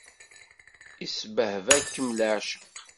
Isbehba-kem leɛceq.